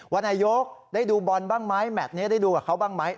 ว่านายกได้ดูบอลบ้างไหมแมทนี้ได้ดูกับเขาบ้างไหม